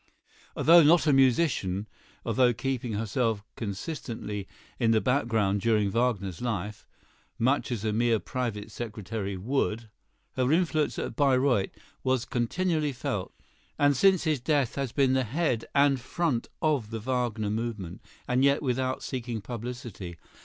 Although not a musician, although keeping herself consistently in the background during Wagner's life (much as a mere private secretary would), her influence at Bayreuth was continually felt; and since his death she has been the head and front of the Wagner movement, and yet without seeking publicity.